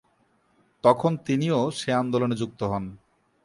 তখন তিনিও সে আন্দোলনে যুক্ত হন।